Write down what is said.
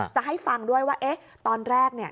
จะให้ฟังด้วยว่าเอ๊ะตอนแรกเนี่ย